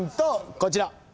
こちら。